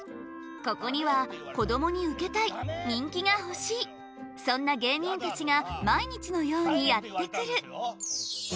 ここにはこどもにウケたい人気が欲しいそんな芸人たちが毎日のようにやって来る。